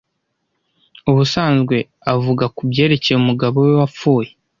Ubusanzwe avuga kubyerekeye umugabo we wapfuye.